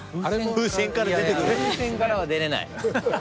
風船からは出れない。